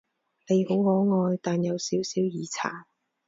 你好可愛，但有少少耳殘